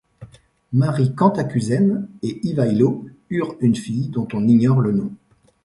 Marie Cantacuzène et Ivaïlo eurent une fille dont on ignore le nom.